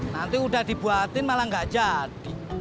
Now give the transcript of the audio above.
nanti udah dibuatin malah gak jadi